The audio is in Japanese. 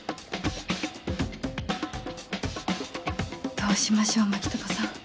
どうしましょう牧高さん。